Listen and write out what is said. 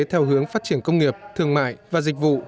theo hướng phát triển công nghiệp thương mại và dịch vụ